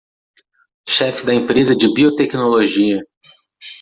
Chefe da empresa de biotecnologia